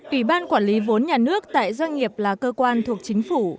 ủy ban quản lý vốn nhà nước tại doanh nghiệp là cơ quan thuộc chính phủ